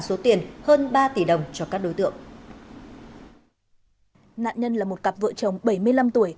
số tiền hơn ba tỷ đồng cho các đối tượng nạn nhân là một cặp vợ chồng bảy mươi năm tuổi